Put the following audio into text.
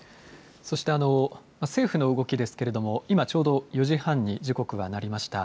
そして、政府の動きですけれども、今、ちょうど４時半に時刻はなりました。